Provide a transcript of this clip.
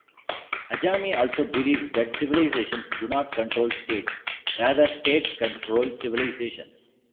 Ajami also believes that civilizations do not control states; rather, states control civilizations.